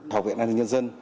học viện an ninh nhân dân